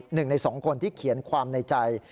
หนึ่งในสองคนที่เขียนความในใจ